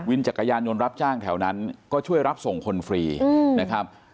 จักรยานยนต์รับจ้างแถวนั้นก็ช่วยรับส่งคนฟรีนะครับ